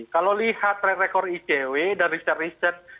kalau lihat rekor icw dan riset riset